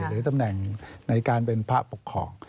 หรือตำแหน่งในการเป็นพระปกครอง